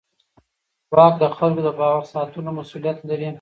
واک د خلکو د باور ساتلو مسؤلیت لري.